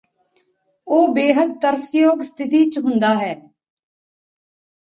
ਉਹ ਬੇਹੱਦ ਤਰਸਯੋਗ ਸਥਿਤੀ ਚ ਹੁੰਦਾ ਹੈ